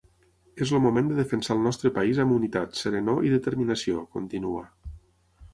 És el moment de defensar el nostre país amb unitat, serenor i determinació –continua–.